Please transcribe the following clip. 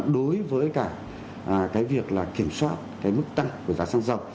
đối với cả cái việc là kiểm soát cái mức tăng của giá xăng dầu